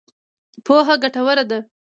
پوهه ګټوره ده.